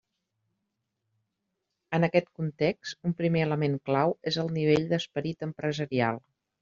En aquest context, un primer element clau és el nivell d'esperit empresarial.